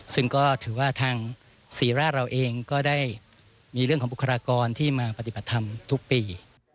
ซึ่งก็ถือว่าทางศรีราชเราเองก็ได้มีเรื่องของบุคลากรที่มาปฏิบัติธรรมทุกปี